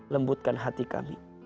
lembutkan hati kami